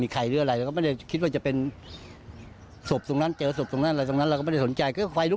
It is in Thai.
กลิ่นของควันไฟ